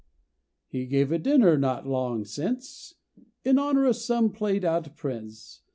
He gave a dinner not long since In honor of some played out Prince.